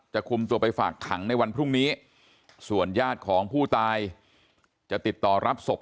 คุมตัวไปฝากขังในวันพรุ่งนี้ส่วนญาติของผู้ตายจะติดต่อรับศพ